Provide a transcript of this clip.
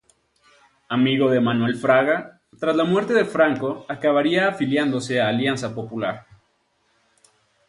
Amigo de Manuel Fraga, tras la muerte de Franco acabaría afiliándose a Alianza Popular.